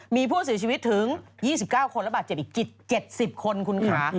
มีผู้เสียชีวิตถึง๒๙คนและบาดเจ็บอีก๗๐คนคุณค่ะ